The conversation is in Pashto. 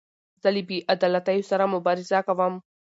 زه له بې عدالتیو سره مبارزه کوم.